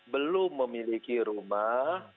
belum memiliki rumah